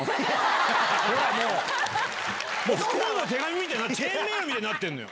もう不幸の手紙みたいチェーンメールみたいになってんのよ。